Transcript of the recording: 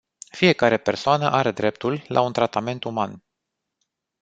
Fiecare persoană are dreptul la un tratament uman.